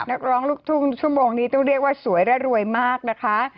นักร้องลูกทุ่งชั่วโมงนี้ต้องเรียกว่าสวยและรวยมากนะคะ